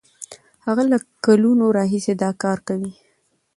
هغه له کلونو راهیسې دا کار کوي.